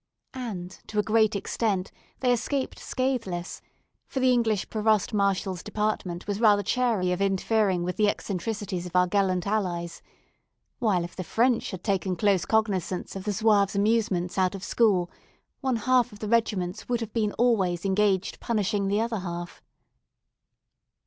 And, to a great extent, they escaped scatheless, for the English Provost marshal's department was rather chary of interfering with the eccentricities of our gallant allies; while if the French had taken close cognizance of the Zouaves' amusements out of school, one half of the regiments would have been always engaged punishing the other half.